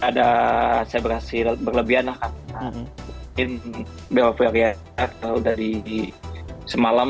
jadi kita hanya berhasil berlebihan karena mungkin beberapa hari yang lalu dari semalam